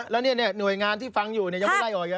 แล้วเนี่ยหน่วยงานที่ฟังอยู่ยังไม่ไล่ออกยัง